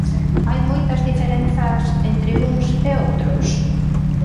Hai moitas diferenzas entre uns e outros?